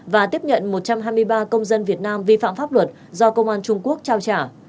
và tiếp nhận một trăm hai mươi ba công dân việt nam vi phạm pháp luật do công an trung quốc trao trả